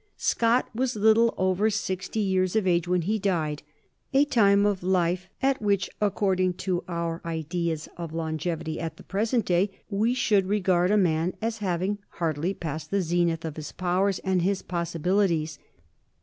Scott was little over sixty years of age when he died a time of life at which, according to our ideas of longevity at the present day, we should regard a man as having hardly passed the zenith of his powers and his possibilities.